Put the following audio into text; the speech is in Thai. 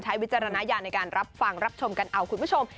วิจารณญาณในการรับฟังรับชมกันเอาคุณผู้ชม